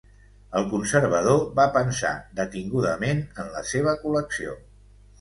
El conservador va pensar detingudament en la seva col·lecció.